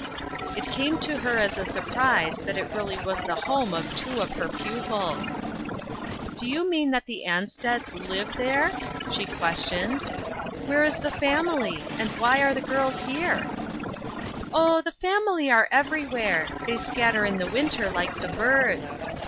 It came to her as a surprise that it really was the home of two of her pupils. "Do you mean that the Ansteds liv OUTSIDE THE CIRCLE. I2/ there ?" she questioned. " Where is the fam ily ? and why are the girls here ?"" Oh, the family are everywhere. They scatter in the winter like the birds.